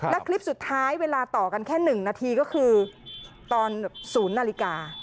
และคลิปสุดท้ายเวลาต่อกันแค่๑นาทีก็คือตอน๐นาฬิกา